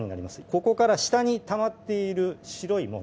ここから下にたまっている白いもの